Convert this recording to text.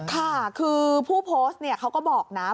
ค่ะคือผู้โพสต์เขาก็บอกนะ